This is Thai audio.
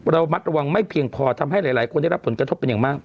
ระมัดระวังไม่เพียงพอทำให้หลายคนได้รับผลกระทบเป็นอย่างมาก